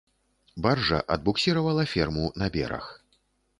Баржа адбуксіравала ферму на бераг.